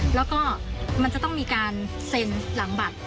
แล้วก็มันจะต้องมีการเซ็นหลังบัตร